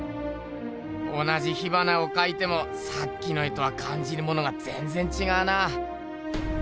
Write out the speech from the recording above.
同じ火花をかいてもさっきの絵とはかんじるものがぜんぜんちがうな。